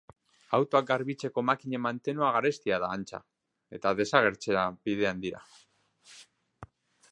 Autoak garbitzeko makinen mantenua garestia da, antza, eta desagertzera bidean dira.